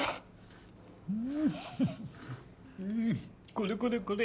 これこれこれ！